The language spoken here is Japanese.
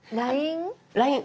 「ＬＩＮＥ」？